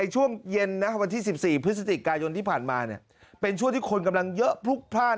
ช่วงเย็นนะวันที่๑๔พฤศจิกายนที่ผ่านมาเป็นช่วงที่คนกำลังเยอะพลุกพลาด